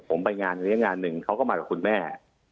ผมไปงานเลี้ยงงานหนึ่งเขาก็มากับคุณแม่